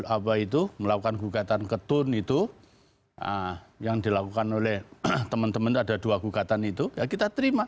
apa itu melakukan gugatan ketun itu yang dilakukan oleh teman teman ada dua gugatan itu ya kita terima